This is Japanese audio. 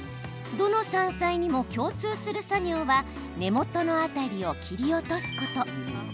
どの山菜にも共通する作業は根元の辺りを切り落とすこと。